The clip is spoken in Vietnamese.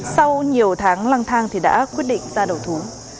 sau nhiều tháng lăng thang thì đã quyết định ra đầu thú